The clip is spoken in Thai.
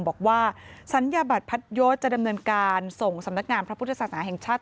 บอกว่าสัญญาบัตรพัทยศจะดำเนินการส่งสำนักงานพระพุทธศาสนาแห่งชาติ